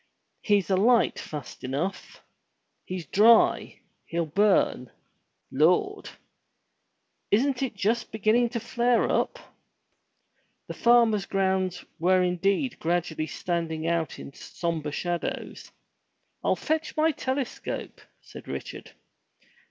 He's alight fast enough. He's dry ! He'll burn ! Lord ! Isn't it just beginning to flare up?" The farmer's grounds were indeed gradually standing out in sombre shadows. "I'll fetch my telescope," said Richard.